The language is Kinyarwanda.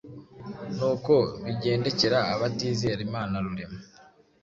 Nuko bigendekera abatizera Imana Rurema.